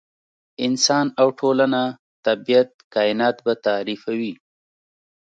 انسان او ټولنه، طبیعت، کاینات به تعریفوي.